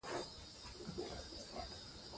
اداري عدالت د اوږدمهاله سولې مهم بنسټ دی